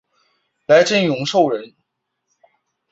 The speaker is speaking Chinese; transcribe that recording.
来瑱永寿人。